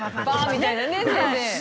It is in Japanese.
みたいなね